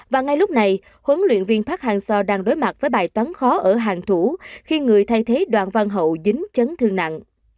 và ngay lúc này huấn luyện viên park hang seo đang đối mặt với bài toán khó ở hàng thủ khi người thay thế đoàn văn hậu dính chấn thương nặng